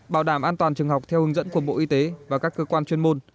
bảo đảm an toàn trường học theo hướng dẫn của bộ y tế và các cơ quan chuyên môn